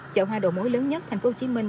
chợ hoa đồ mối lớn nhất thành phố hồ chí minh